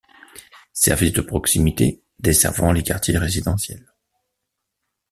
Service de proximité desservant les quartiers résidentiels.